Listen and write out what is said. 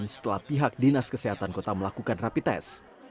setelah pihak dinas kesehatan kota melakukan rapi tes